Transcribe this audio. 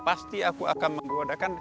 pasti aku akan menguadakan